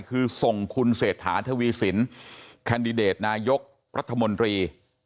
คือส่งคุณเศรษฐาทวีสินแคนดิเดตนายกรัฐมนตรี